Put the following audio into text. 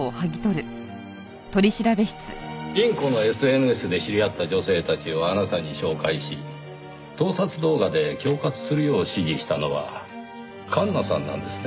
インコのＳＮＳで知り合った女性たちをあなたに紹介し盗撮動画で恐喝するよう指示したのは環那さんなんですね？